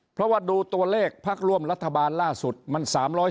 เพราะว่าดูตัวเลขพักร่วมรัฐบาลล่าสุดมัน๓๔